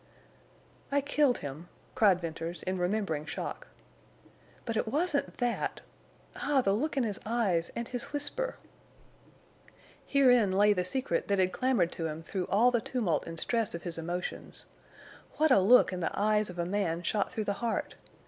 "I killed him," cried Venters, in remembering shock. "But it wasn't that. Ah, the look in his eyes and his whisper!" Herein lay the secret that had clamored to him through all the tumult and stress of his emotions. What a look in the eyes of a man shot through the heart!